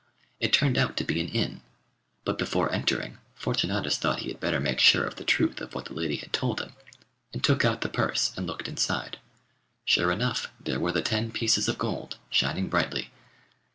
It turned out to be an inn, but before entering Fortunatus thought he had better make sure of the truth of what the lady had told him, and took out the purse and looked inside. Sure enough there were the ten pieces of gold, shining brightly.